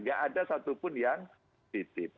tidak ada satupun yang titip